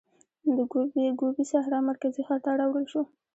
د ګوبي سحرا مرکزي ښار ته راوړل شو.